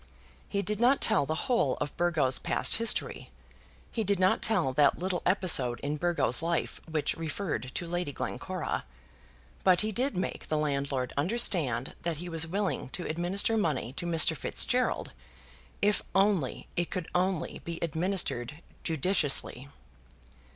He did not tell the whole of Burgo's past history. He did not tell that little episode in Burgo's life which referred to Lady Glencora. But he did make the landlord understand that he was willing to administer money to Mr. Fitzgerald, if only it could only be administered judiciously.